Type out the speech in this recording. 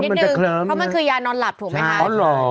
เพราะมันคือยานอนหลับถูกไหมคะ